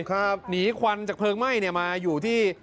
หนีควันจากเพลิงไหม้มาอยู่ที่